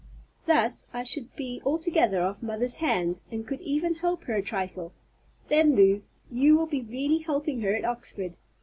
Thus I should be altogether off mother's hands, and could even help her a trifle. Then, Lew, you will be really helping her at Oxford.